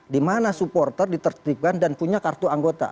dimana supporter diterbitkan dan punya kartu anggota